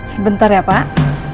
sebentar ya pak